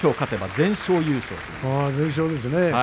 全勝ですね。